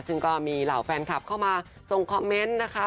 ซึ่งก็มีเหล่าแฟนคลับเข้ามาส่งคอมเมนต์นะคะ